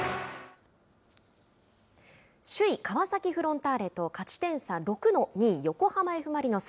首位川崎フロンターレと勝ち点差６の２位横浜Ｆ・マリノス。